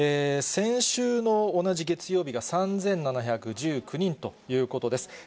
先週の同じ月曜日が３７１９人ということです。